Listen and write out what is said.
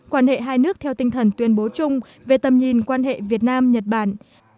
quan hệ hai nước theo tinh thần tuyên bố chung về tầm nhìn quan hệ việt nam nhật bản